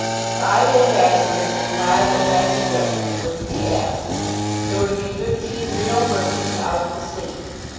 Five ambassadors and five ambassadresses were to be asked. There were to be fifteen real merchants out of the city.